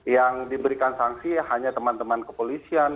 yang diberikan sanksi hanya teman teman kepolisian